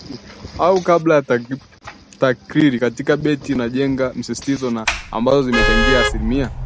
au kabla Takriri katika beti inajenga msisitizo na ambazo zimechangia asilimia